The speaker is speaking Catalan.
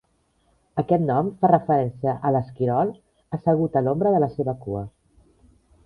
Aquest nom fa referència a l'esquirol assegut a l'ombra de la seva cua.